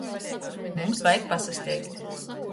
Mums vajag pasasteigt.